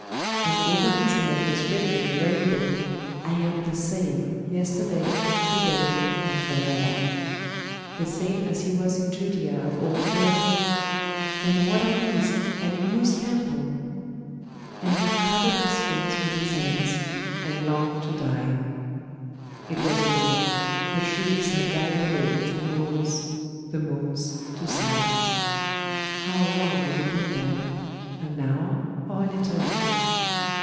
And over His head was written in the rainbow, 'I am the same, yesterday, to day, and for ever!' The same as He was in Judea of old, Philammon? Then what are these, and in whose temple? And he covered his face with his hands, and longed to die. It was over. The shrieks had died away into moans; the moans to silence. How long had he been there? An hour, or an eternity?